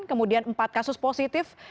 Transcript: kemudian empat kasus positif